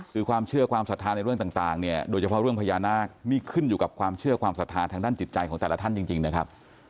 คือความเชื่อความศรัทธาในเรื่องต่างเนี่ยโดยเฉพาะเรื่องพญานาคนี่ขึ้นอยู่กับความเชื่อความศรัทธาทางด้านจิตใจของแต่ละท่านจริงนะครับ